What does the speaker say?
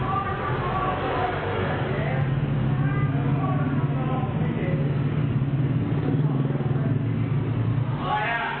อะไรอ่ะอะไรอีกทุกอ่ะ